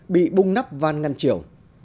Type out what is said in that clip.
bị bung nắp và ngăn chiều